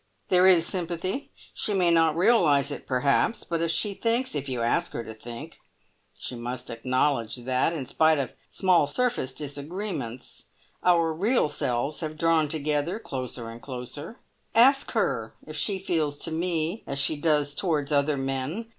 "There is sympathy. She may not realise it, perhaps, but if she thinks, if you ask her to think, she must acknowledge that, in spite of small surface disagreements, our real selves have drawn together, closer and closer. Ask her if she feels to me as she does towards other men?